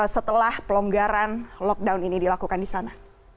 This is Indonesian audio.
setelah pelonggaran lockdown ini dilakukan di sana